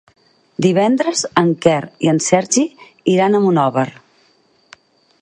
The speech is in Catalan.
Divendres en Quer i en Sergi iran a Monòver.